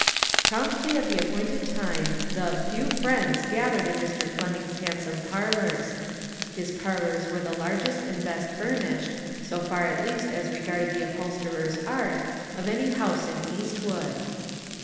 Promptly at the appointed time the " few friends" gathered in Mr. Fleming's hand some parlors. His parlors were the largest and best furnished, so far at least as re garded the upholsterer's art, of any house in Eastwood.